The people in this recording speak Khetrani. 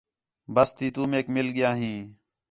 بس تی تو میک مِل ڳِیا ہیں